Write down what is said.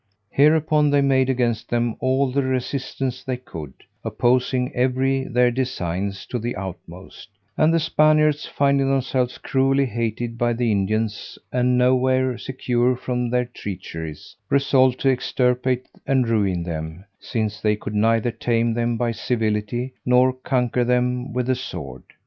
Hereupon, they made against them all the resistance they could, opposing everywhere their designs to the utmost: and the Spaniards finding themselves cruelly hated by the Indians, and nowhere secure from their treacheries, resolved to extirpate and ruin them, since they could neither tame them by civility, nor conquer them with the sword.